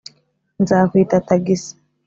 nzakwita tagisi